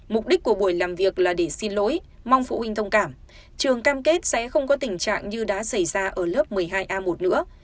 mục đích của buổi làm việc là để xin lỗi mong phụ huynh thông cảm trường cam kết sẽ không có tình trạng như đã xảy ra ở lớp một mươi hai a một nữa